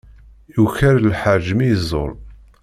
Yuker lḥaǧ mi yeẓẓul.